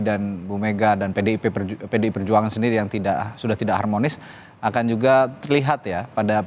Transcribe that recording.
dan bumega dan pdip perjuangan sendiri yang tidak sudah tidak harmonis akan juga terlihat ya pada